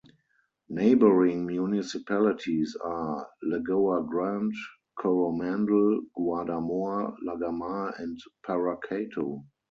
Neighboring municipalities are: Lagoa Grande, Coromandel, Guarda-Mor, Lagamar and Paracatu.